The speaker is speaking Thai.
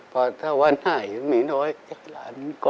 เพราะถ้าวันใหม่มีน้อยหลานก็